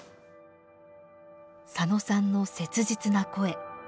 佐野さんの切実な声。